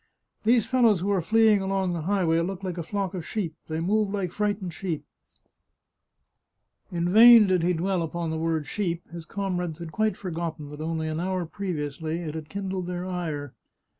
" These fellows who are fleeing along the highway look like a flock of sheep ; they move like frightened sheep !" In vain did he dwell upon the word sheep ; his comrades had quite forgotten that only an hour previously it had kindled their ire.